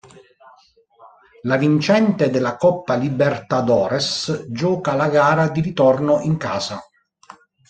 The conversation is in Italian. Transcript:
La vincente della Coppa Libertadores gioca la gara di ritorno in casa.